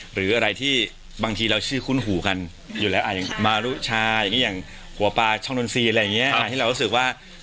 หรืออะไรที่บางทีเราชื่อคุ้นหูกันอยู่แล้ว